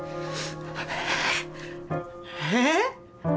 えっ？